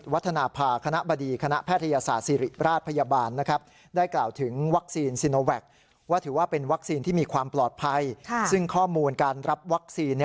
วัคซีนที่มีความปลอดภัยซึ่งข้อมูลการรับวัคซีน